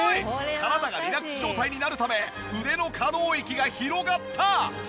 体がリラックス状態になるため腕の可動域が広がった！